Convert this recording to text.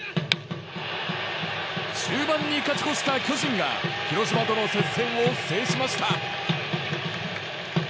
終盤に勝ち越した巨人が広島との接戦を制しました。